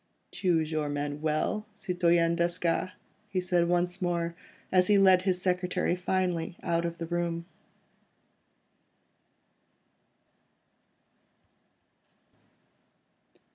"Choose your men well, Citoyen Desgas," he said once more, as he led his secretary finally out of the room.